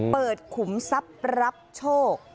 เปิดขุมทรัพย์รับโชค